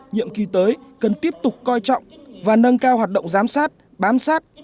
nhiệm kỳ tới cần tiếp tục coi trọng và nâng cao hoạt động giám sát bám sát